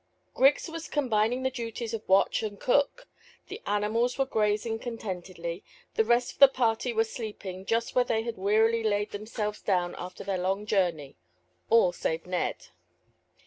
Griggs was combining the duties of watch and cook; the animals were grazing contentedly; the rest of the party were sleeping just where they had wearily thrown themselves down after their long journey all save Ned.